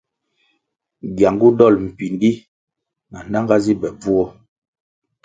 Gyangu dol mpíndí na nanga zi be bvuo.